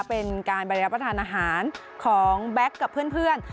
เป็นการไปรับประทานอาหารของแบ็คกับเพื่อน